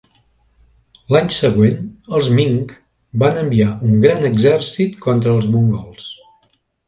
L'any següent, els Ming van enviar un gran exèrcit contra els mongols.